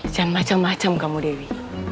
jangan macem macem kamu dewi